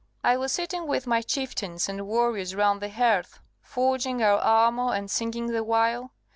I was sitting with my chieftains and warriors round the hearth, forging our armour, and singing the while.